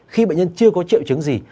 khi bệnh nhân chưa có triệu chứng gì